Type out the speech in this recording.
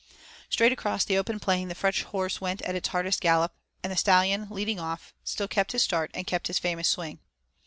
Straight across the open plain the fresh horse went at its hardest gallop, and the Stallion, leading off, still kept his start and kept his famous swing.